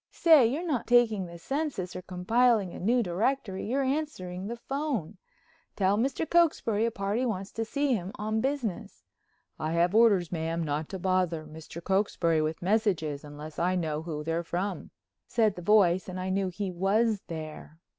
"Say, you're not taking the census or compiling a new directory, you're answering the phone. Tell Mr. Cokesbury a party wants to see him on business." "I have orders, ma'am, not to bother Mr. Cokesbury with messages unless I know who they're from," said the voice, and then I knew he was there.